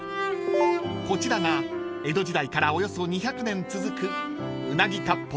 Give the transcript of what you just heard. ［こちらが江戸時代からおよそ２００年続く］